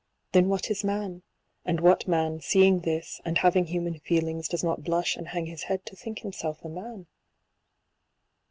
■ Then what is man ? And what man, seeing this, " And having human feelings, does not blush " And hang his head to think himself a man